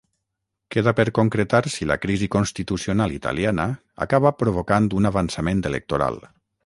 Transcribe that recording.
Queda per concretar si la crisi constitucional italiana acaba provocant un avançament electoral.